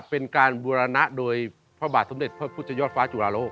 เป็นการบูรณะโดยพระบาทสมเด็จพระพุทธยอดฟ้าจุลาโล